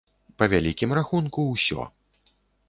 Па вялікім рахунку, усё.